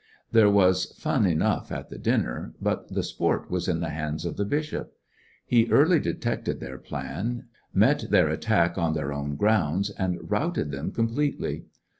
There was fun enough at the dinner, but the sport was in the hands of the bishop. He early detected their plan, met their attack on their own grounds, and routed them com pletely.